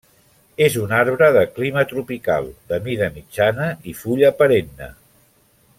És un arbre de clima tropical, de mida mitjana i fulla perenne.